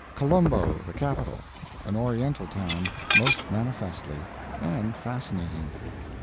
. Colombo, the capital. An Oriental town, most manifestly; and fascinating.